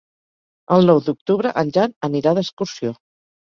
El nou d'octubre en Jan anirà d'excursió.